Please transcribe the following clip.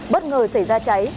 bất ngờ xảy ra cháy